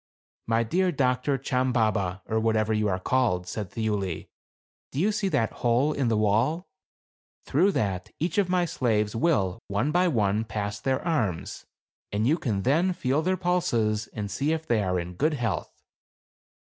"My dear doctor, Chambaba, or whatever you are called," said Thiuli, "do you see that hole in the wall ? through that each of my slaves will, one by one, pass their arms, and you can then feel their pulses and see if they are in good health."